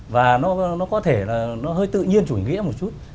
và nó có thể là nó hơi tự nhiên chủ nghĩa một chút